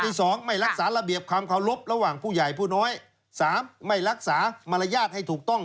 ที่สองไม่รักษาระเบียบความเคารพระหว่างผู้ใหญ่ผู้น้อยสามไม่รักษามารยาทให้ถูกต้อง